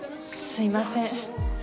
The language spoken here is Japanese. すみません。